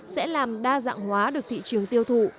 sẽ làm đa dạng hóa được thị trường tiêu thụ